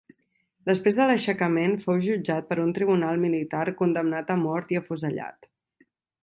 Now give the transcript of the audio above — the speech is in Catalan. Després de l'aixecament fou jutjat per un tribunal militar, condemnat a mort i afusellat.